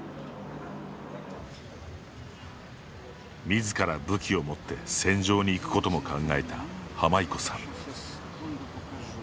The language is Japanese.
みずから武器を持って戦場に行くことも考えたハマイコさん。